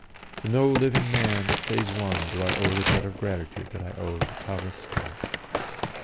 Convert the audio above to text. To no living man save one do I owe the debt of gratitude that I owe to Thomas Scott."